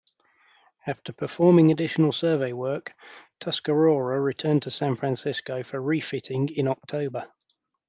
After performing additional survey work, "Tuscarora" returned to San Francisco for refitting in October.